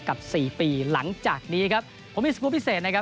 กับสี่ปีหลังจากนี้ครับผมมีสกรูปพิเศษนะครับ